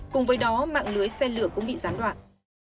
cùng với đó mạng lưới xe lửa cũng bị gián đoạn